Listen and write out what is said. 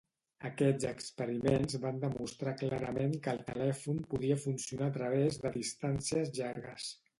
Aquests experiments van demostrar clarament que el telèfon podia funcionar a través de distàncies llargues.